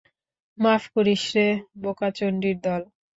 মাফ করিস রে বোকাচণ্ডীর দল।